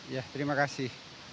ya terima kasih